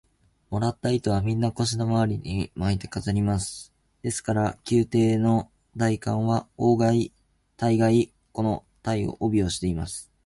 もらった糸は、みんな腰のまわりに巻いて飾ります。ですから、宮廷の大官は大がい、この帯をしています。